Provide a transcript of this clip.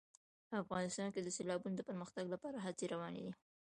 افغانستان کې د سیلابونو د پرمختګ لپاره هڅې روانې دي.